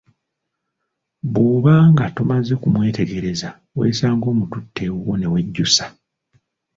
Bw’obaaanga tomaze kumwetegereza weesanga omututte ewuwo newejjusa.